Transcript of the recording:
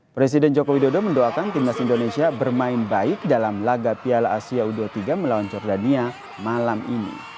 presiden joko widodo mendoakan timnas indonesia bermain baik dalam laga piala asia u dua puluh tiga melawan jordania malam ini